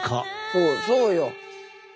そうそうよ。